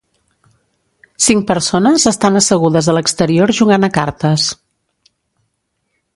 Cinc persones estan assegudes a l'exterior jugant a cartes.